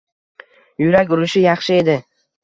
Yurak urishi yaxshi edi.